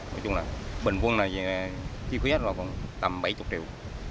nói chung là bình quân là chi phí hết rồi còn tầm bảy mươi triệu